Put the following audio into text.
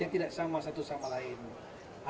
jadi kita bisa mencari sistem politik yang sama satu sama lain